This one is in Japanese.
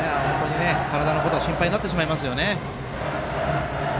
体のことが心配になってしまいますね。